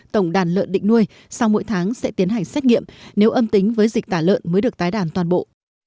tổng đàn lợn định nuôi sau mỗi tháng sẽ tiến hành xét nghiệm nếu âm tính với dịch tả lợn mới được tái đàn toàn bộ